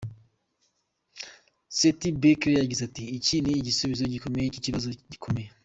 Seth Berkley yagize ati “Iki ni igisubizo kiboneye cy’ikibazo gikomeye.